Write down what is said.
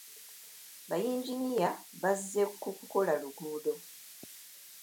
Bayinginiya bazze ku kukola luguudo.